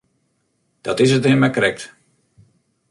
Dat is it him mar krekt.